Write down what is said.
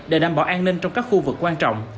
để đảm bảo an ninh trong các khu vực quan trọng